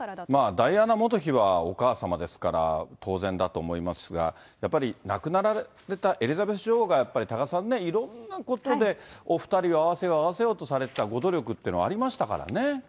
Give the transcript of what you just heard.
まあ、ダイアナ元妃はお母様ですから当然だと思いますが、やっぱり亡くなられたエリザベス女王が、やっぱり多賀さんね、いろんなことでお２人を会わせよう、会わせようとされてたご努力っていうのはありましたからね。